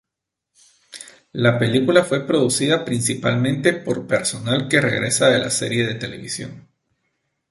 La película fue producida principalmente por personal que regresa de la serie de televisión.